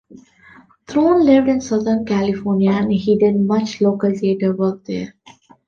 Throne lived in Southern California, and he did much local theater work there.